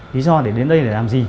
lý do để đến đây để làm gì